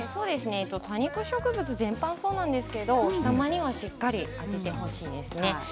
多肉植物全般ですがお日様にはしっかり当ててほしいですね。